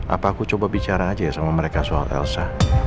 apa aku coba bicara aja ya sama mereka soal elsa